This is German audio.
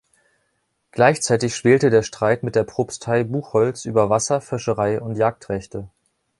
Gleichzeitig schwelte der Streit mit der Propstei Buchholz über Wasser-, Fischerei- und Jagdrechte.